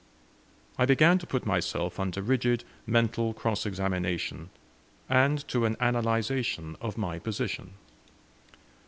I began to put myself under rigid mental cross examination, and to an analyzation of my position.